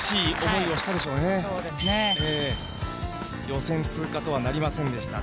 予選通過とはなりませんでした。